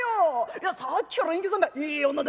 いやさっきから隠居さんがいい女だ